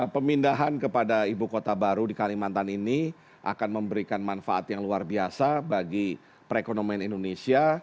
pemindahan kepada ibu kota baru di kalimantan ini akan memberikan manfaat yang luar biasa bagi perekonomian indonesia